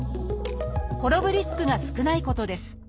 転ぶリスクが少ないことです